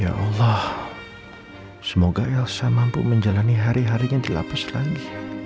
ya allah semoga elsa mampu menjalani hari harinya di lapis lagi